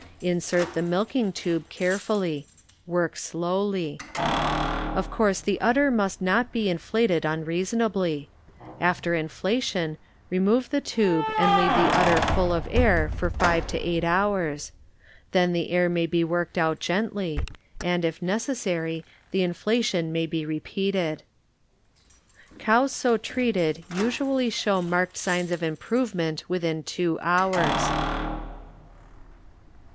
In sert the milking tube carefully. Work (lowty. Of course the udder must not be in Hated unreasonably. After inflation, re move the tube and leave the udder full of air for five to eight hours. Then the air may be worked out gently, and, if necessary, the inflation may be re peated. Cows so treated usually show marked signs of improvement within two hours.